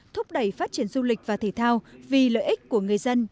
thúc đẩy phát triển du lịch và thể thao vì lợi ích của người dân